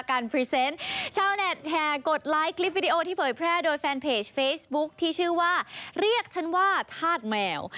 ชาวเน็ตแห่กดไลค์คลิปวิดีโอที่เผยแพร่โดยแฟนเพจเฟซบุ๊คที่ชื่อว่าเรียกฉันว่าธาตุแมว